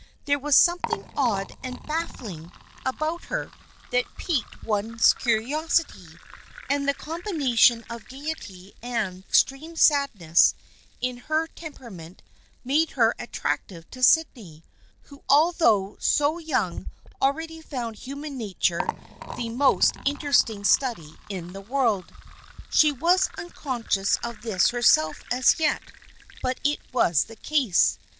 There was something odd and baffling about her that piqued one's curiosity, and the combination of gaiety and extreme sadness in her temperament made her attractive to Sydney, who although so young already found human nature the most in teresting study in the world. She was unconscious of this herself as yet, but it was the case.